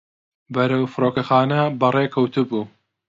بەرەو فڕۆکەخانە بەڕێکەوتبوو.